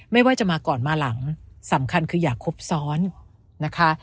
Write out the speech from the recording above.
ไม่ว่าจะมาก่อนมาหลังสำคัญคืออย่าครบซ้อนนะคะ